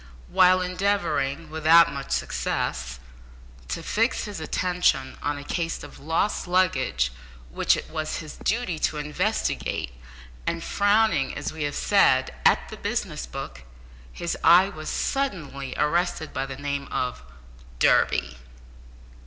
While endeavouring, without much success, to fix his attention on a case of lost luggage which it was his duty to investigate, and frowning as we have said, at the business book, his eye was suddenly arrested by the name of "Durby."